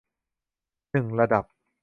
หนึ่ง ระดับ